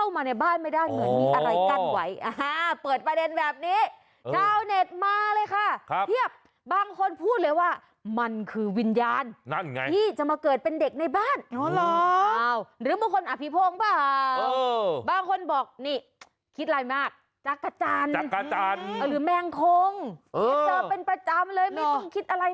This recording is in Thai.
มันมันแหวนแรงหิ่งห้อยป่ะหิ่งห้อยโอ้โฮนี่